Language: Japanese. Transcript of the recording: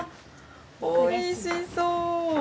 おいしそう。